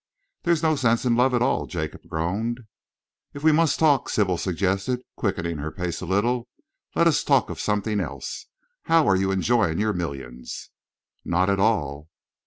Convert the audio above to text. "There's no sense in love at all," Jacob groaned. "If we must talk," Sybil suggested, quickening her pace a little, "let us talk of something else. How are you enjoying your millions?" "Not at all."